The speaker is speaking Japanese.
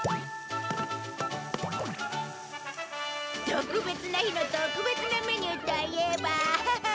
特別な日の特別なメニューといえばハハッ！